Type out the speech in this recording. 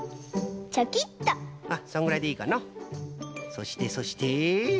そしてそして？